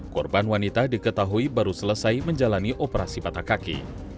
korban wanita diketahui baru selesai menjalani operasi patah kaki